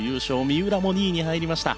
三浦も２位に入りました。